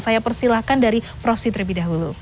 saya persilahkan dari prof siti bidahulu